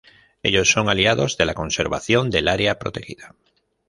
Ellos son aliados de la conservación del área protegida.